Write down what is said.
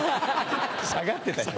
下がってたよ。